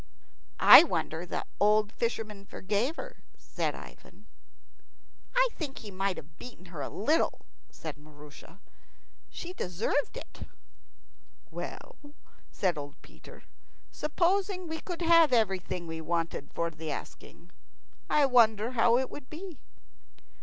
"I wonder the old fisherman forgave her," said Ivan. "I think he might have beaten her a little," said Maroosia. "she deserved it." "Well," said old Peter, "supposing we could have everything we wanted for the asking, I wonder how it would be.